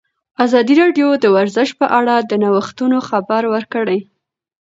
ازادي راډیو د ورزش په اړه د نوښتونو خبر ورکړی.